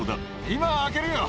今、開けるよ。